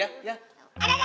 ada ada babe babe